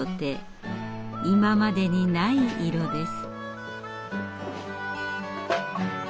今までにない色です。